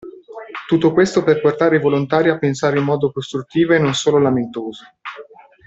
Tutto questo per portare i volontari a pensare in modo costruttivo e non solo lamentoso.